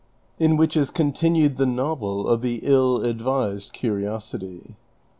IN WHICH IS CONTINUED THE NOVEIj OF "THE ILL ADVISED CURIOSITY."